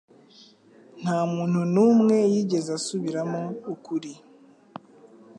Nta muntu n'umwe yigeze asubiramo ukuri.